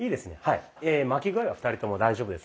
巻き具合は２人とも大丈夫ですので。